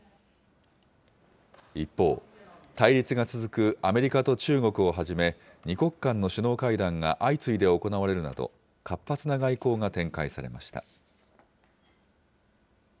一方、対立が続くアメリカと中国をはじめ、２国間の首脳会談が相次いで行われるなど、活発な外交が展開されました。